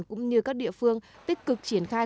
cũng như các địa phương tích cực triển khai